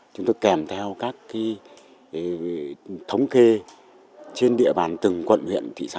chúng tôi kèm theo các thống kê trên địa bàn từng quận huyện thị xã